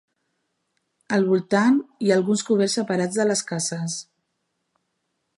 Al voltant hi ha alguns coberts separats de les cases.